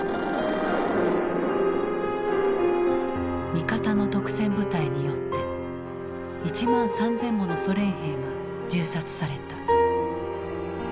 味方の督戦部隊によって１万３０００ものソ連兵が銃殺された。